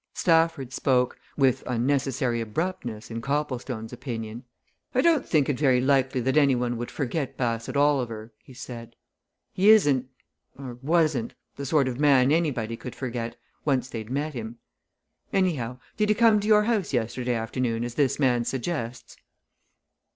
Stafford spoke with unnecessary abruptness, in Copplestone's opinion. "I don't think it very likely that any one would forget Bassett Oliver," he said. "He isn't or wasn't the sort of man anybody could forget, once they'd met him. Anyhow did he come to your house yesterday afternoon as this man suggests?"